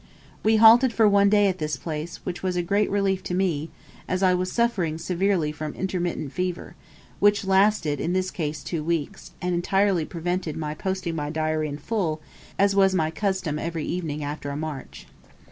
We halted for one day at this place, which was a great relief to me, as I was suffering severely from intermittent fever, which lasted in this case two weeks, and entirely prevented my posting my diary in full, as was my custom every evening after a march.